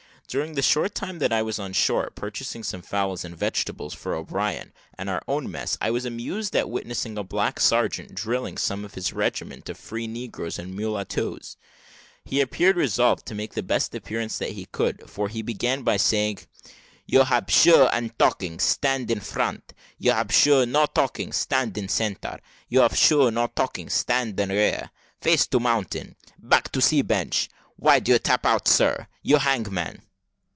During the short time that I was on shore, purchasing some fowls and vegetables for O'Brien and our own mess, I was amused at witnessing a black sergeant drilling some of his regiment of free negroes and mulattoes. He appeared resolved to make the best appearance that he could, for he began by saying, "You hab shoe and 'tocking, stand in front you hab shoe no 'tocking, stand in centre you hab no shoe no 'tocking, stand in um rear. Face to mountain back to sea beach. Why you no 'tep out, sar? you hangman!"